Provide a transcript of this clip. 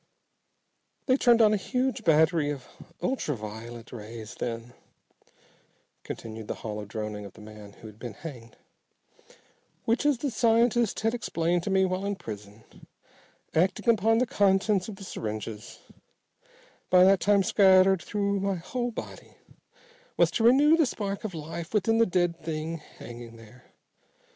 "They turned on a huge battery of ultra violet rays then," continued the hollow droning of the man who had been hanged, "which, as the scientist had explained to me while in prison, acting upon the contents of the syringes, by that time scattered through my whole body, was to renew the spark of life within the dead thing hanging there.